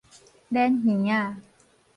撚耳仔